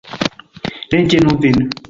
Ne ĝenu vin!